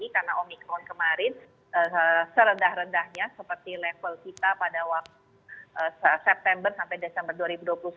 karena omikron kemarin serendah rendahnya seperti level kita pada waktu september sampai desember dua ribu dua puluh satu